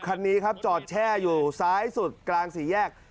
คันนี้ครับจอดแช่อยู่ซ้ายสุดกลางสี่แยก